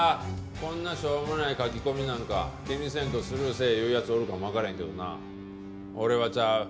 こんなしょうもない書き込みなんか気にせんとスルーせえいう奴おるかもわからへんけどな俺はちゃう。